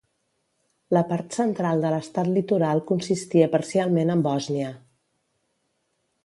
La part central de l'estat litoral consistia parcialment en Bòsnia.